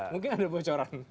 mungkin ada bocoran